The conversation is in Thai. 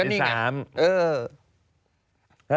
ก็นี่แหละ